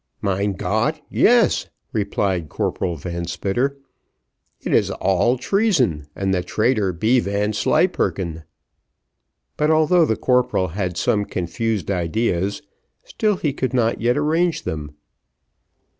"Mein Gott! yes," replied Corporal Van Spitter. "It is all treason, and the traitor be Vanslyperken." But although the corporal had some confused ideas, yet he could not yet arrange them.